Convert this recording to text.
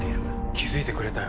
気付いてくれたよ